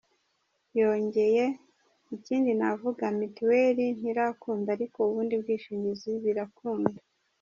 Yongeye “Ikindi navuga, mitiweli ntirakunda ariko ubundi bwishingizi birakunda.